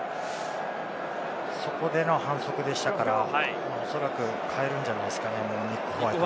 そこでの反則でしたから、おそらく代えるんじゃないですかね。